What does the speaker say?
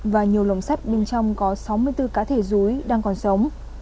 và nhiều lồng sắt bên trong có sáu mươi bốn cá thể rúi đang còn sống